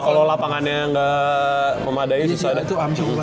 kalau lapangannya gak memadai susah deh